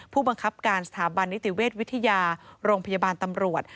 ผู้บังคับการสถาบันนิติเวชวิทยาโรงพยาบาลตำรวจ